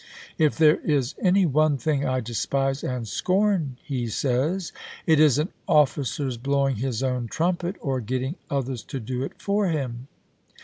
If there is any one thing I de spise and scorn," he says, " it is an officer's blowing his own trumpet or getting others to do it for him.